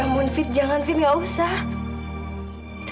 bu taken te ambion ragdori